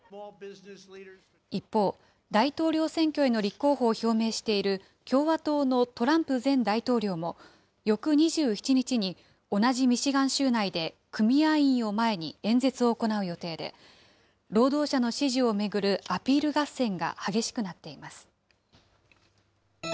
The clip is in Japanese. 一方、大統領選挙への立候補を表明している共和党のトランプ前大統領も、翌２７日に同じミシガン州内で組合員を前に演説を行う予定で、労働者の支持を巡るアピール合戦が激しくなっています。